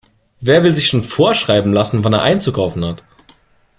Wer will sich schon vorschreiben lassen, wann er einzukaufen hat?